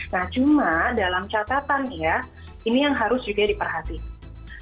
nah cuma dalam catatan ya ini yang harus juga diperhatikan